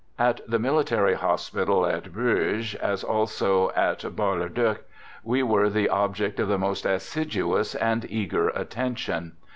At the military hospital at Bourges, as also at Bar le Duc, we were the object of the most assiduous and eager attention.